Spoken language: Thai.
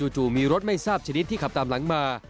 จู่มีรถไม่ทราบชนิดที่ขับตามหลังมา